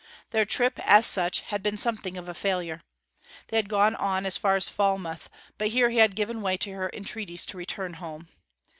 Their trip, as such, had been something of a failure. They had gone on as far as Falmouth, but here he had given way to her entreaties to return home.